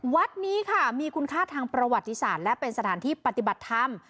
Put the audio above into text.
วัดนี้ค่ะมีคุณค่าทางประวัติศาสตร์และเป็นสถานที่ปฏิบัติธรรม